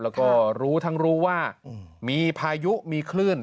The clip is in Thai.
แล้วก็รู้ทั้งรู้ว่ามีพายุมีคลื่น